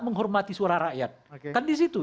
menghormati suara rakyat kan di situ